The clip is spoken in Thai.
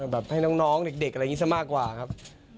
ให้น้องเด็กอะไรอย่างนี้ซะมากกว่าครับ